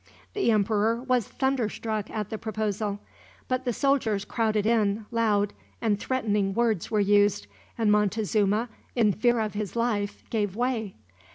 The emperor was thunderstruck at the proposal; but the soldiers crowded in, loud and threatening words were used, and Montezuma, in fear of his life, gave way.